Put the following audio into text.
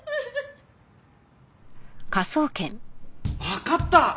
わかった！